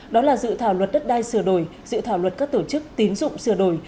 đó là dự thảo luật đất đai sửa đổi dự thảo luật các tổ chức tín dụng sửa đổi